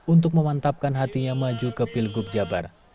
untuk memantapkan hatinya maju ke pilgub jabar